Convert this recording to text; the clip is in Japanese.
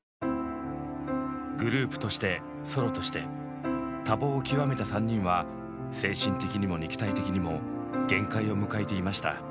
グループとしてソロとして多忙を極めた３人は精神的にも肉体的にも限界を迎えていました。